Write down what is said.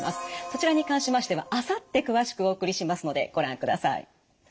そちらに関しましてはあさって詳しくお送りしますのでご覧ください。